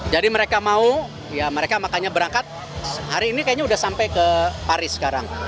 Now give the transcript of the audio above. jadi mereka mau ya mereka makanya berangkat hari ini kayaknya sudah sampai ke paris sekarang